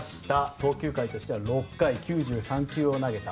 投球回としては６回９３球を投げた。